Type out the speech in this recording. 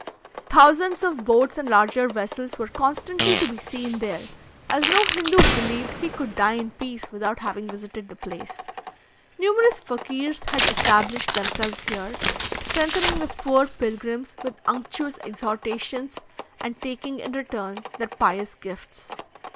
Thousands of boats and larger vessels were constantly to be seen there, as no Hindoo believed he could die in peace without having visited the place. Numerous Fakirs had established themselves here, strengthening the poor pilgrims with unctuous exhortations, and taking in return their pious gifts.